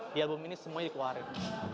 di album ini semuanya dikeluarin